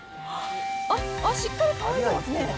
あっ、しっかり乾いてますね。